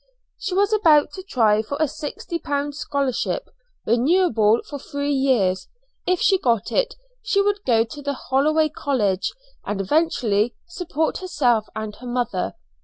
She was about to try for a sixty pound scholarship, renewable for three years; if she got it she would go to Holloway College, and eventually support herself and her mother.